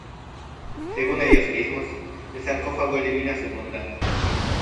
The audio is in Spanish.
Según ellos mismos, el sarcófago elimina su bondad.